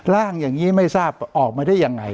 ร่างอย่างนี้ไม่ทราบออกมาได้ยังไง